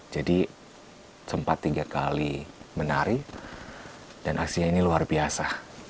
jadi sempat tiga kali menari dan hasilnya ini luar biasa